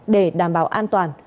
để đảm bảo an toàn